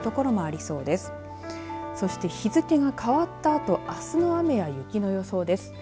そして日付が変わったあとあすの雨や雪の予想です。